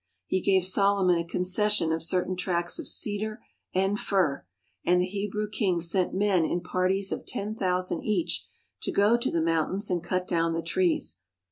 He gave Solomon a concession of certain tracts of cedar and fir, and the Hebrew king sent men in parties of ten thousand each to go to the mountains and cut down the trees.